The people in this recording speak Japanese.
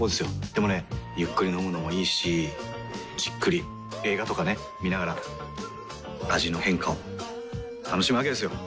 でもねゆっくり飲むのもいいしじっくり映画とかね観ながら味の変化を楽しむわけですよ。